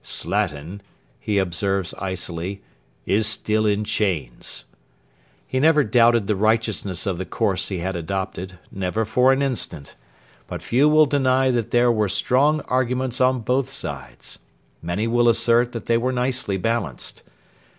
'Slatin,' he observes icily, 'is still in chains.' He never doubted the righteousness of the course he had adopted, never for an instant. But few will deny that there were strong arguments on both sides. Many will assert that they were nicely balanced.